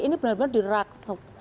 ini benar benar diraksuk